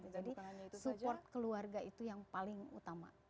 jadi support keluarga itu yang paling utama